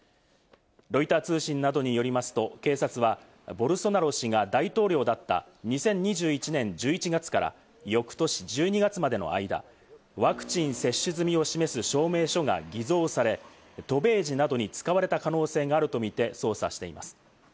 ロイター通信などによりますと、警察はボルソナロ氏が大統領だった２０２１年１１月から翌年１２月までの間、ワクチン接種済みを示す証明書が偽造され、渡米時などに使われた可能性があるとみて捜査しています。